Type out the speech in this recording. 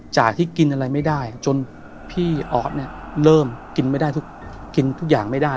จากที่กินอะไรไม่ได้จนพี่อ๊อตเริ่มกินทุกอย่างไม่ได้